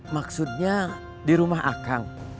maksudnya di rumah akang